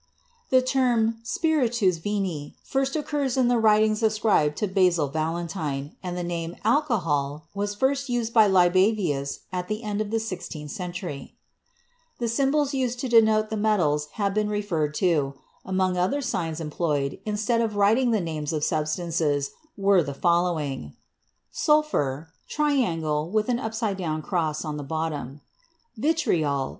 The term "spiritus vini" first occurs in the writings ascribed to Basil Valentine, and the name "alcohol" was first used by Libavius at the end of the sixteenth century. The symbols used to denote the metals have been re ferred to; among other signs employed instead of writing the names of substances, were the following: * wZa7\ V "~ V Sulphur. Vitriol.